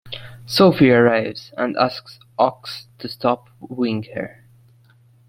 Sophie arrives and asks Ochs to stop wooing her.